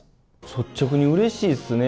率直に、うれしいっすね。